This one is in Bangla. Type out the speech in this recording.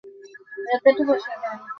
যা ইচ্ছে খেতে পারো।